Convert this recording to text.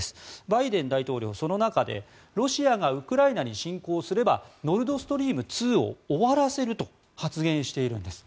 バイデン大統領はその中でロシアがウクライナに侵攻すればノルド・ストリーム２を終わらせると発言しているんです。